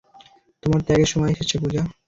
তোমার ত্যাগের সময় এসেছে, পূজা।